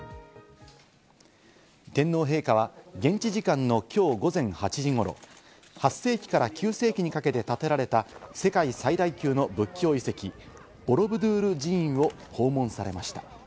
天皇陛下は現地時間のきょう午前８時頃、８世紀から９世紀にかけて建てられた世界最大級の仏教遺跡・ボロブドゥール寺院を訪問されました。